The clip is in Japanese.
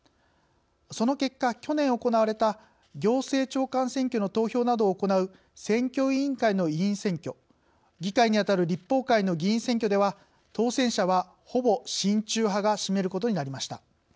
その結果去年行われた行政長官選挙の投票などを行う選挙委員会の委員選挙議会にあたる立法会の議員選挙では当選者はほぼ親中派が占めることになりました。